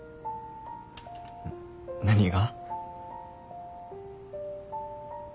何が？